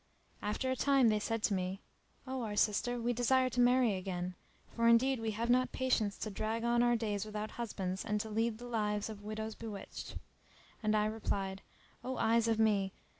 After a time they said to me, 'O our sister, we desire to marry again, for indeed we have not patience to drag on our days without husbands and to lead the lives of widows bewitched;" and I replied, "O eyes of me!